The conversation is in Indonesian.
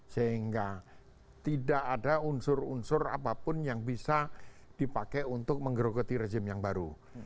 sehingga tidak ada unsur unsur apapun yang bisa dipakai untuk menggerogoti rezim yang baru